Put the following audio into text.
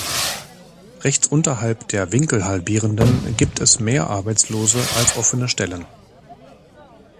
Rechts unterhalb der Winkelhalbierenden gibt es mehr Arbeitslose als offene Stellen.